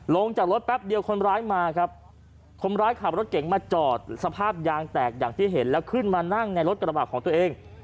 ลงจากรถแป๊บเดียวคนร้ายมาครับคนร้ายขับรถเก๋งมาจอดสภาพยางแตกอย่างที่เห็นแล้วขึ้นมานั่งในรถกระบะของตัวเอง